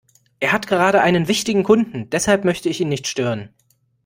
Er hat gerade einen wichtigen Kunden, deshalb möchte ich ihn nicht stören.